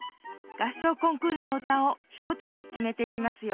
合唱コンクールの歌を１つにきめていきますよ